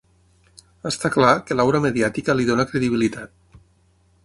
Està clar que l'aura mediàtica li dona credibilitat.